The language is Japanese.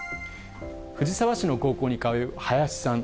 藤沢市の高校に通う林さん。